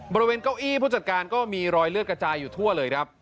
บริเวณเก้าอี้ผู้จัดการก็มีรอยเลือดกระจายอยู่ทั่วเลยครับ